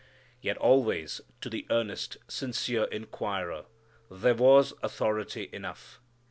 Yet always to the earnest, sincere inquirer there was authority enough.